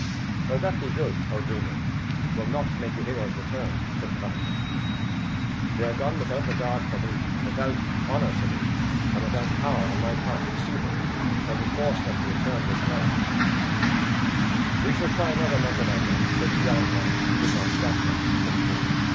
"Though that be good, O Duanan, it will not make the heroes return," said Connachar; "they are gone without regard for me, and without honor to me, and without power on my part to pursue them, or to force them to return this night." "We shall try another method on them, since yon one did not stop them," said the druid.